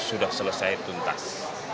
sudah selesai tuntas